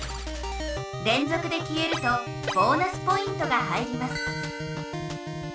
れんぞくで消えるとボーナスポイントが入ります。